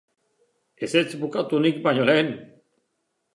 Ezetz bukatu nik baino lehen!